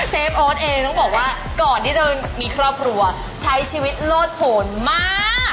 ฟออสเองต้องบอกว่าก่อนที่จะมีครอบครัวใช้ชีวิตโลดผลมาก